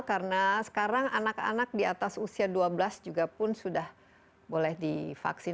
karena sekarang anak anak di atas usia dua belas juga pun sudah boleh divaksin